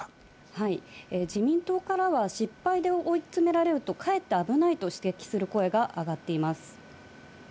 はい、自民党からは失敗で追い詰められると、かえって危ないと指摘する声があがっています。